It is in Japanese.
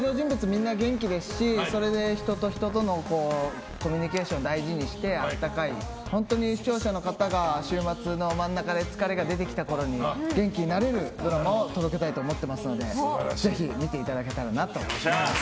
みんな元気ですしそれで人と人とのコミュニケーションを大事にして温かい本当に視聴者の方が週末の真ん中で疲れが出てきた時に元気になれるドラマを届けたいと思ってますのでぜひ見ていただけたらなと思います。